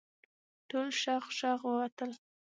ټول شغ شغ ووتل.